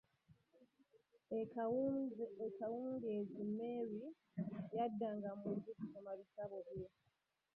E Kawungeezi Mary yaddanga mu nju kusoma bitabo bye.